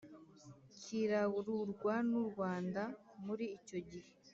kigarurwa n'u rwanda muri icyo gihe